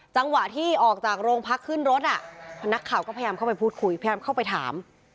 จังหวะที่ออกจากโรงพักขึ้นรถนักข่าวก็พยายามเข้าไปพูดคุยพยายามเข้าไปถาม